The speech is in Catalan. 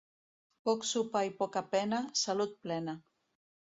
Poc sopar i poca pena, salut plena.